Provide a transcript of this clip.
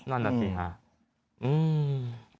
นั่นแหละสิฮะ